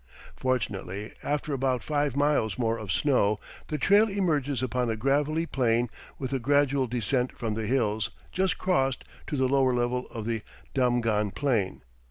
Fortunately, after about five miles more of snow, the trail emerges upon a gravelly plain with a gradual descent from the hills just crossed to the lower level of the Damghan plain.